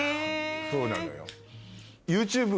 そうなのよ。